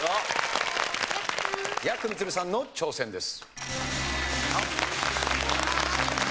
やくみつるさんの挑戦です。